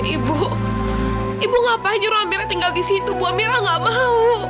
ibu ibu ngapa nyuruh amira tinggal di situ bu amira gak mau